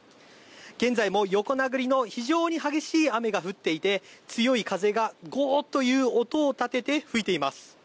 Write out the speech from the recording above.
現在も横殴りの非常に激しい雨が降っていて強い風がゴーッという音を立てて吹いています。